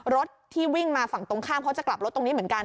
รถที่วิ่งมาฝั่งตรงข้ามเขาจะกลับรถตรงนี้เหมือนกัน